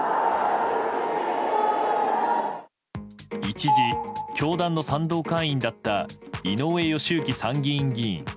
一時、教団の賛同会員だった井上義行参議院議員。